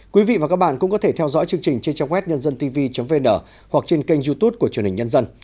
quý vị và các bạn cũng có thể theo dõi chương trình trên trang web nhândântv vn hoặc trên kênh youtube của truyền hình nhân dân